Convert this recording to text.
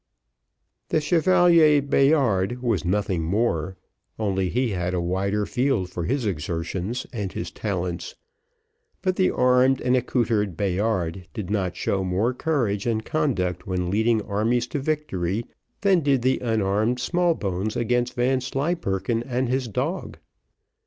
The Chevalier Bayard was nothing more, only he had a wider field for his exertions and his talents; but the armed and accoutred Bayard did not show more courage and conduct when leading armies to victory, than did the unarmed Smallbones against Vanslyperken and his dog.